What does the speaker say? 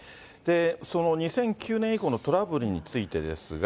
その２００９年以降のトラブルについてですが。